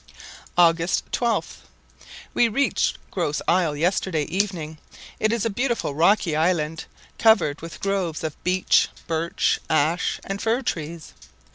August 12. We reached Gros Isle yesterday evening. It is a beautiful rocky island, covered with groves of beech, birch, ash, and fir trees.